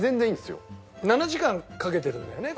７時間かけてるんだよね